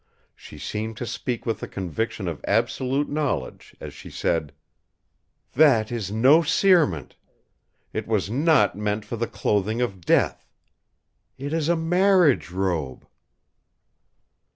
She seemed to speak with the conviction of absolute knowledge as she said: "That is no cerement! It was not meant for the clothing of death! It is a marriage robe!"